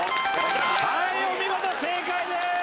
はいお見事正解です。